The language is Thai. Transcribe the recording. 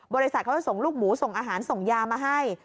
บริษัทเขาจะส่งลูกหมูส่งอาหารส่งยามาให้